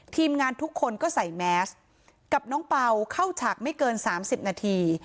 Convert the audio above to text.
ทีมงานทุกคนก็ใส่แมสกับน้องเป่าเข้าฉากไม่เกิน๓๐นาที